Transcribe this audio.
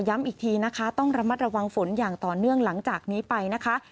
อีกทีนะคะต้องระมัดระวังฝนอย่างต่อเนื่องหลังจากนี้ไปนะคะ